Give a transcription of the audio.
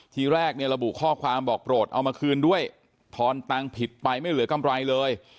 ทีแรกเนี่ยระบุข้อความบอกโปรดเอามาคืนด้วยทอนตังค์ผิดไปไม่เหลือกำไรเลย